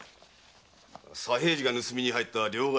左平次が盗みに入った両替商・天満屋。